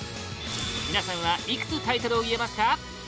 皆さんはいくつタイトルを言えますか？